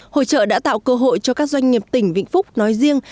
hội trợ đã tạo cơ hội cho các doanh nghiệp tỉnh vĩnh phúc nói riêng